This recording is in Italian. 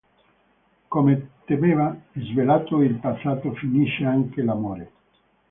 Come temeva, svelato il passato finisce anche l'amore